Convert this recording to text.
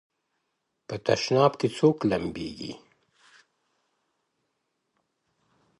په تشناب کې څوک لمبېږي؟